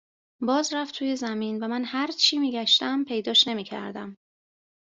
باز رفت توی زمین و من هرچی میگشتم پیداش نمیکردم